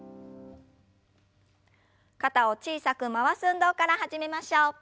肩を小さく回す運動から始めましょう。